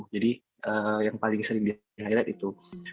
jadi yang paling sering di highlight itu